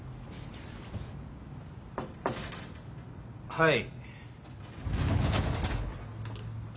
はい。